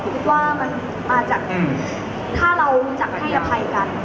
คิดว่ามันมาจากถ้าเรารู้จักให้อภัยกัน